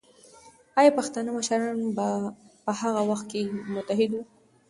ایا پښتانه مشران په هغه وخت کې متحد وو؟